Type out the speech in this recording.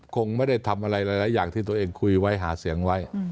คงไม่ได้ทำอะไรหลายอย่างที่ตัวเองคุยไว้หาเสียงไว้